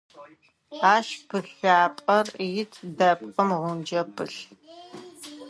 Ащ пылъапӏэр ит, дэпкъым гъунджэ пылъ.